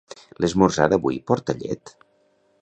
L'esmorzar d'avui porta llet?